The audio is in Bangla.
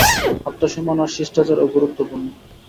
আত্মসম্মান আর শিষ্টাচার ও গুরুত্বপূর্ণ।